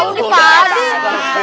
tahu nih pak dek